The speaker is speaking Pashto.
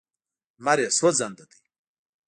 لمر یې سوځنده دی.